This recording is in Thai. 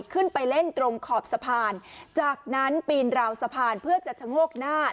ขึ้นไปเล่นตรงขอบสะพานจากนั้นปีนราวสะพานเพื่อจะชะโงกหน้า